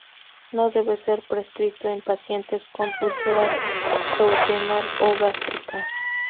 No debe ser prescrito en pacientes con úlceras duodenal o gástrica.